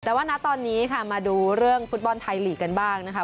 แต่ว่าณตอนนี้ค่ะมาดูเรื่องฟุตบอลไทยลีกกันบ้างนะคะ